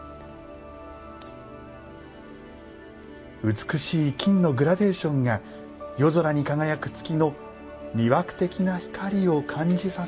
美しい金のグラデーションが夜空に輝く月の魅惑的な光を感じさせる作品です。